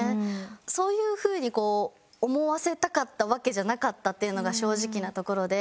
そういう風に思わせたかったわけじゃなかったっていうのが正直なところで。